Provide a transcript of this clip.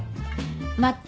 待って。